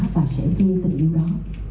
và sẻ chia tình yêu đó